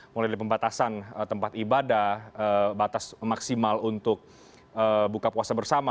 mulai dari pembatasan tempat ibadah batas maksimal untuk buka puasa bersama